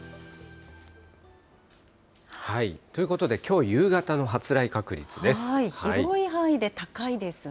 ということで、きょう夕方の広い範囲で高いですね。